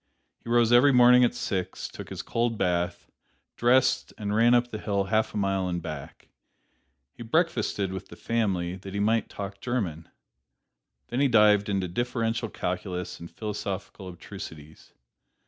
He rose every morning at six, took his cold bath, dressed and ran up the hill half a mile and back. He breakfasted with the family, that he might talk German. Then he dived into differential calculus and philosophical abstrusities.